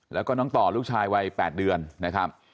แล้วก็น้องต่อลูกชายวัย๘เดือนนะครับ